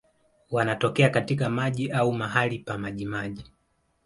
Wanatokea katika maji au mahali pa majimaji.